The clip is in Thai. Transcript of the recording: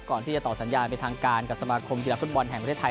ก่อนที่จะต่อสัญญาณไปทางการกับสมาคมกีฬาฟุตบอลแห่งประเทศไทย